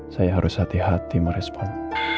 saya harus hati hati merespon